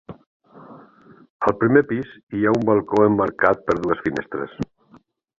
Al primer pis hi ha un balcó emmarcat per dues finestres.